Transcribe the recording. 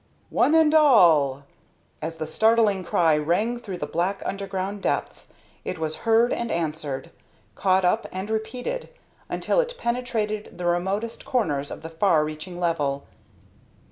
"One and all!" As the startling cry rang through the black underground depths it was heard and answered, caught up and repeated, until it penetrated the remotest corners of the far reaching level.